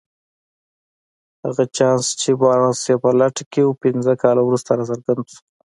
هغه چانس چې بارنس يې په لټه کې و پنځه کاله وروسته راڅرګند شو.